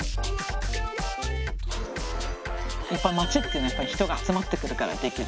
やっぱり街っていうのは人が集まってくるからできる。